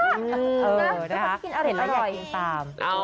เห็นแล้วอยากกินตาม